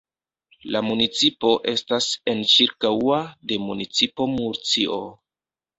La municipo estas enĉirkaŭa de municipo Murcio.